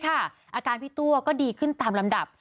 อาการพี่ตัวก็ดีขึ้นตามลำดับ